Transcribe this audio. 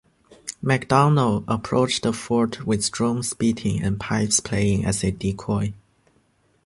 McDonald, approached the fort with drums beating and pipes playing as a decoy.